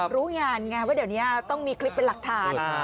รู้งานไงว่าเดี๋ยวนี้ต้องมีคลิปเป็นหลักฐาน